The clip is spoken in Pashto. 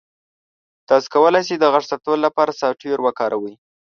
تاسو کولی شئ د غږ ثبتولو لپاره سافټویر وکاروئ.